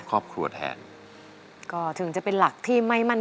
เปลี่ยนเพลงเพลงเก่งของคุณและข้ามผิดได้๑คำ